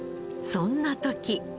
そんな時。